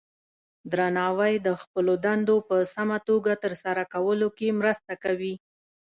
درناوی د خپلو دندو په سمه توګه ترسره کولو کې مرسته کوي.